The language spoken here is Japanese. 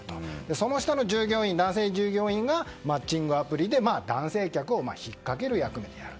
その下の男性従業員がマッチングアプリで男性客をひっかける役目である。